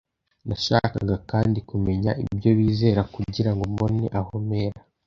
Nashakaga kandi kumenya ibyo bizera kugira ngo mbone aho mpera